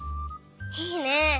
いいね！